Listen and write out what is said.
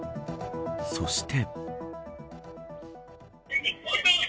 そして。